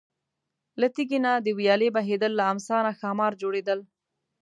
له تیږې نه د ویالې بهیدل، له امسا نه ښامار جوړېدل.